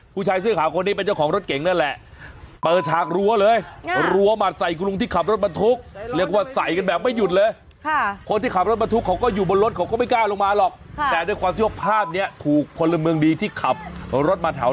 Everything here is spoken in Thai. ผู้ใช้เสื้อขาคนนี้เป็นเจ้าของรถเก่งนั่นแหละ